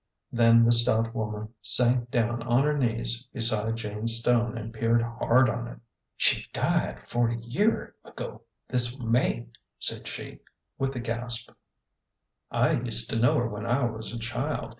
Then the stout woman sank down on her knees beside Jane's stone, and peered hard at it. " She died forty year ago this May," said she, with a gasp. A GENTLE GHOST. 237 " I used to know her when I was a child.